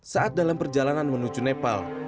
saat dalam perjalanan menuju nepal